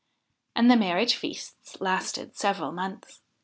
And the marriage feasts lasted several months.